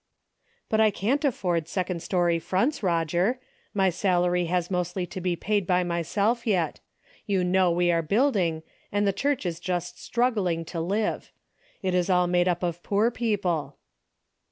" But I can't afford second story fronts, Roger ; my salary has mostly to be paid by myself yet. You know we are building and the church is just struggling to live. It is all made up of poor people."